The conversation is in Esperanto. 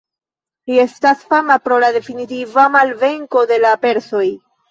Li estas fama pro la definitiva malvenko de la persoj.